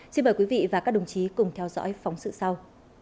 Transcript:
xin mời quý vị và các đồng chí cùng theo dõi phóng sự sau